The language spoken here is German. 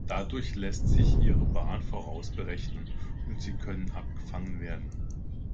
Dadurch lässt sich ihre Bahn vorausberechnen und sie können abgefangen werden.